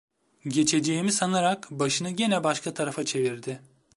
Geçeceğimi sanarak başını gene başka tarafa çevirdi.